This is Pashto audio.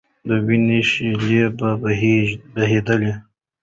د وینو شېلې به بهېدلې.